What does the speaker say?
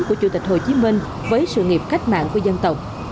của chủ tịch hồ chí minh với sự nghiệp cách mạng của dân tộc